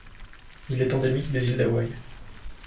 Il est endémique des îles d'Hawaï.